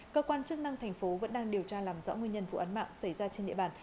cơ quan chức năng thành phố vẫn đang điều tra làm rõ nguyên nhân vụ án mạng xảy ra trên địa bàn